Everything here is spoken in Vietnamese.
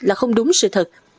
là không đúng sự thật